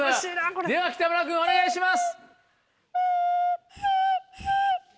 では北村君お願いします！